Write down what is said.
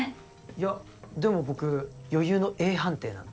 いやでも僕余裕のＡ判定なんで。